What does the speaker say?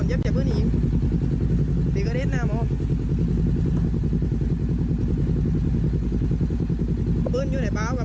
อุ้มปีนครู